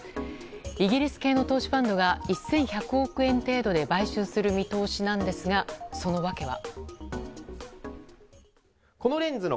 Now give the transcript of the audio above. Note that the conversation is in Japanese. イギリス系の投資ファンドが１１００億円程度で買収する見通しなんですがその訳は。